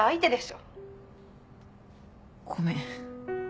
ごめん。